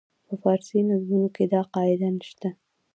په فارسي نظمونو کې دا قاعده نه شته.